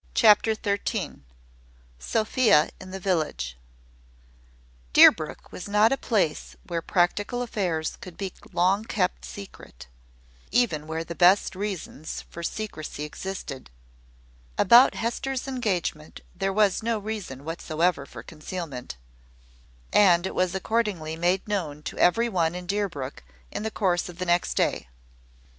CHAPTER THIRTEEN. SOPHIA IN THE VILLAGE. Deerbrook was not a place where practical affairs could be long kept secret, even where the best reasons for secrecy existed. About Hester's engagement there was no reason whatever for concealment; and it was accordingly made known to every one in Deerbrook in the course of the next day.